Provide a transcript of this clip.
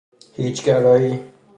هیچ گرایی